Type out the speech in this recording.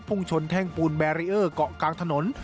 ชนแท่งปูนแบรีเออร์เกาะกลางถนน